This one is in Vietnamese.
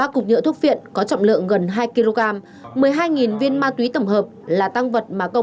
ba cục nhựa thuốc phiện có trọng lượng gần hai kg một mươi hai viên ma túy tổng hợp là tăng vật mà công